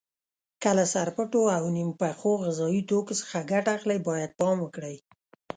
که له سرپټو او نیم پخو غذایي توکو څخه ګټه اخلئ باید پام وکړئ.